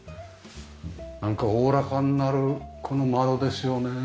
なんかおおらかになるこの窓ですよね。